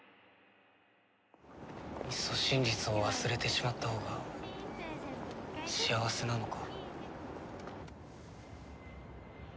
いっそ真実を忘れてしまったほうが幸せなのか。